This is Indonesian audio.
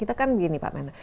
kita kan begini pak menar